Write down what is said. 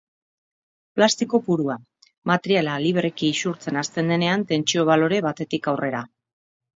Plastiko purua: materiala libreki isurtzen hasten denean tentsio-balore batetik aurrera.